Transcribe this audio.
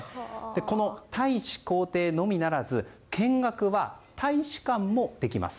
この大使公邸のみならず、見学は大使館もできます。